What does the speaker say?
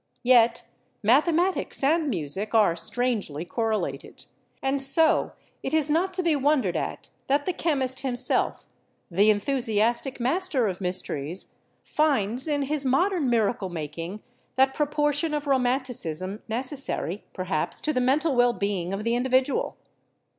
Yet mathematics and music are strangely correlated; and so it is not to be wondered at that the chemist himself, the enthusiastic master of mysteries, finds in his modern THE CHEMICAL CONCEPTION 3 miracle making that proportion of romanticism necessary, perhaps, to the mental well being of the individual.